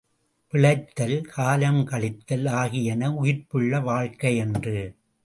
பிழைத்தல் காலம் கழித்தல் ஆகியன உயிர்ப்புள்ள வாழ்க்கையன்று.